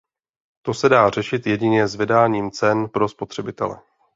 To se dá řešit jedině zvedáním cen pro spotřebitele.